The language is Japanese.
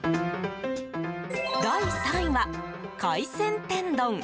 第３位は、海鮮天丼。